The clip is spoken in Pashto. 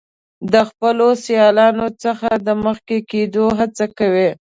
د خپلو سیالانو څخه د مخکې کیدو هڅه کوي.